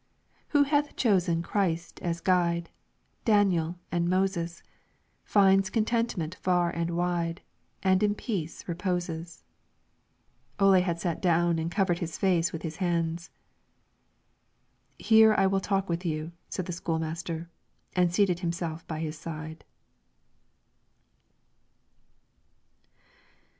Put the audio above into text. Who hath chosen Christ as guide, Daniel and Moses, Finds contentment far and wide, And in peace reposes." [Footnote 1: Auber Forestier's translation.] Ole had sat down and covered his face with his hands. "Here I will talk with you," said the school master, and seated himself by his side.